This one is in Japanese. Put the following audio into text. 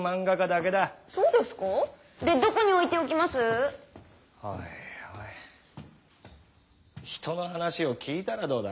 おいおい人の話を聞いたらどうだ？